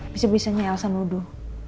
bisa bisanya elsa meluduh